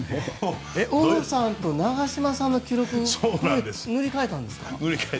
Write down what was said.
王さんと長嶋さんの記録を塗り替えたんですか。